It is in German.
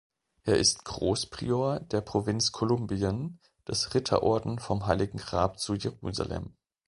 Er ist Großprior der Provinz Kolumbien des Ritterorden vom Heiligen Grab zu Jerusalem.